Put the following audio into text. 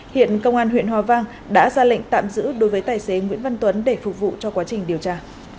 hiện công an huyện hòa vang đã ra lệnh tạm giữ đối với tài xế nguyễn văn tuấn để phục vụ cho quá trình điều tra